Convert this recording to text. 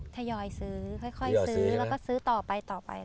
ทยอยซื้อค่อยซื้อแล้วก็ซื้อต่อไปต่อไป